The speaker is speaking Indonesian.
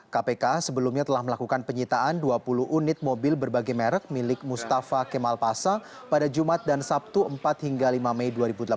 kpk sebelumnya telah melakukan penyitaan dua puluh unit mobil berbagai merek milik mustafa kemal pasa pada jumat dan sabtu empat hingga lima mei dua ribu delapan belas